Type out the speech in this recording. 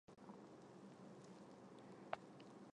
日本狼逍遥蛛为逍遥蛛科狼逍遥蛛属的动物。